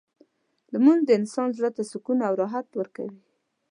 لمونځ د انسان زړه ته سکون او راحت ورکوي.